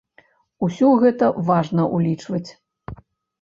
Усё гэта важна ўлічваць.